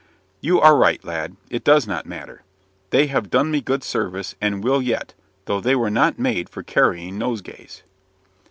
"You are right; lad; it does not matter. They have done me good service, and will yet, though they were not made for carrying nosegays."